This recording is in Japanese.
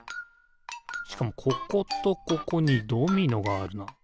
しかもこことここにドミノがあるな。